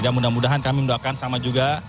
dan mudah mudahan kami minta sama juga